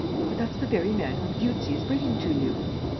"But that's the very man whom Dieuzy is bringing to you!"